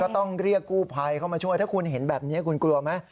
ต้องเรียกกู้ภัยเข้ามาช่วยถ้าคุณเห็นแบบนี้คุณกลัวไหม